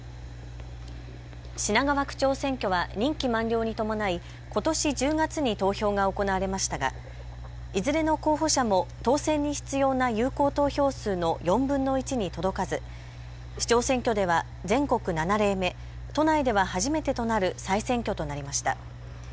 品川区長選挙は任期満了に伴いことし１０月に投票が行われましたがいずれの候補者も当選に必要な有効投票数の４分の１に届かず首長選挙では全国７例目、都内では初めてとなる再選挙となりました。